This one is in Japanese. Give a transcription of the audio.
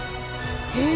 へえ！